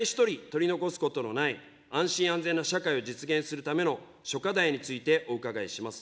次に人を大事にするという観点で、誰一人取り残すことのない安心安全な社会を実現するための諸課題についてお伺いします。